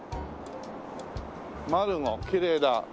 きれいだ。